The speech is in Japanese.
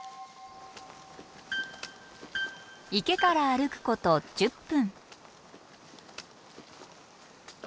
池から歩くこと１０分。